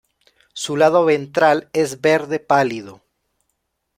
Su lado ventral es verde pálido.